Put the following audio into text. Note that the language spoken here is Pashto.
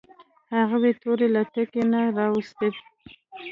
هغوی تورې له تیکي نه راویوستې.